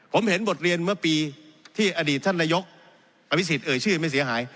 ผมเห็นบทเรียนเมื่อปีที่อดีตท่านนายกอภิษฎเอ่ยชื่อไม่เสียหาย